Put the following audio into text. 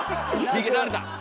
逃げられた！